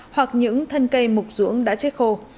hoặc những thân cây mục rưỡng đã chết khô